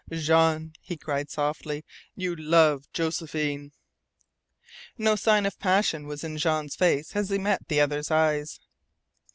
"Jean!" he cried softly, "you love Josephine!" No sign of passion was in Jean's face as he met the other's eyes.